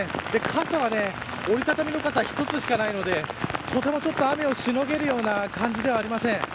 傘は、折り畳みの傘１つしかないのでとても雨をしのげるような感じではありません。